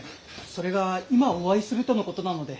それが今お会いするとのことなので。